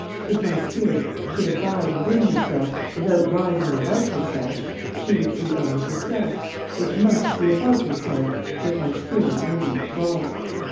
If my spirit should abide within herself without rising above herself, she would see only herself; it must be above herself that my spirit will reach God."